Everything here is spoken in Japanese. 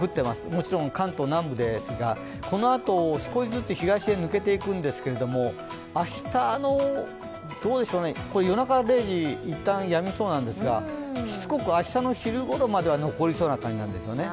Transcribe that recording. もちろん関東南部ですがこのあと少しずつ東へ抜けていくんですけれども、夜中０時、一旦やみそうなんですがしつこく明日の昼ごろまで残りそうな感じなんですよね。